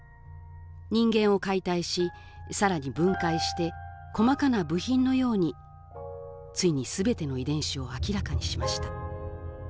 人間を解体し更に分解して細かな部品のようについに全ての遺伝子を明らかにしました。